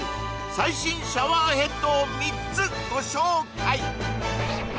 最新シャワーヘッドを３つご紹介！